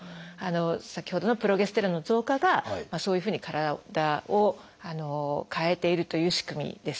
先ほどのプロゲステロンの増加がそういうふうに体を変えているという仕組みです。